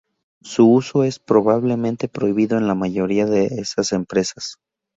Su uso es, probablemente, prohibido en la mayoría de esas empresas.